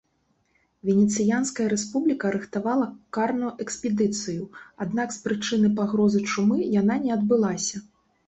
Венецыянская рэспубліка рыхтавала карную экспедыцыю, аднак з прычыны пагрозы чумы яна не адбылася.